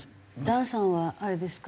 段さんはあれですか？